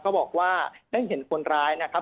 บอกว่าได้เห็นคนร้ายนะครับ